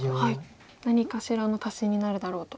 何かしらの足しになるだろうと。